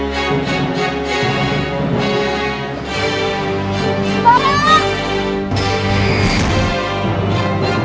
jangan jangan jangan